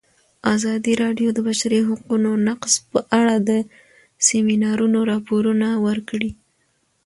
ازادي راډیو د د بشري حقونو نقض په اړه د سیمینارونو راپورونه ورکړي.